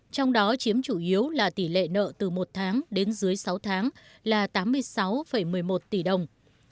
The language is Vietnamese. trong đó chiếm chủ yếu là tỷ lệ nợ từ một tháng đến dưới sáu tháng là tám mươi sáu một mươi một tỷ đồng